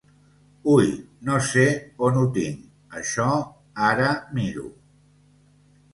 Ui no sé on ho tinc això ara miro.